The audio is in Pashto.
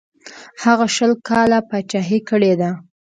هغه شل کاله پاچهي کړې ده.